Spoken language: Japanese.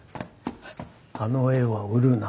あの絵は売るな。